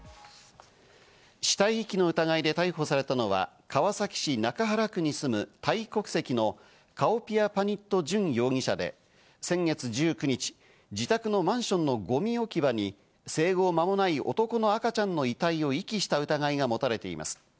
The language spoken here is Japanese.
死体遺棄の疑いで逮捕されたのは川崎市中原区に住むタイ国籍のカオピアパニット・ジュン容疑者で先月１９日、自宅のマンションのゴミ置き場に生後間もない男の赤ちゃんの遺体を遺棄した疑いがもたれています。